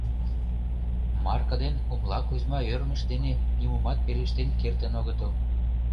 Марка ден Умла Кузьма ӧрмышт дене нимомат пелештен кертын огытыл.